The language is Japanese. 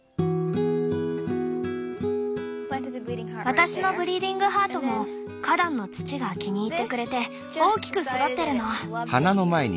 私のブリーディングハートも花壇の土が気に入ってくれて大きく育ってるの。